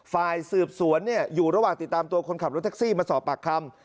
ฝ่ายสืบสวนอยู่ระหว่างติดตามตัวคนขับรถแท็กซี่มาสอบปากคำ